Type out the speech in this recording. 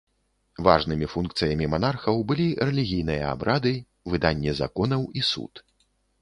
Важнымі функцыямі манархаў былі рэлігійныя абрады, выданне законаў і суд.